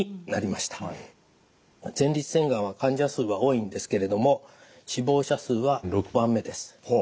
前立腺がんは患者数は多いんですけれども死亡者数は６番目です。